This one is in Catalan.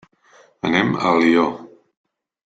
Anem a Alió.